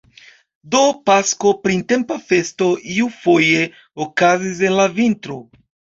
Do Pasko, printempa festo, iufoje okazis en la vintro!